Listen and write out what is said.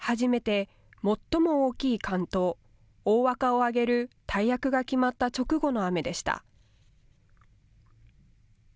初めて最も大きい竿燈、大若をあげる大役が決まった直後の雨でした。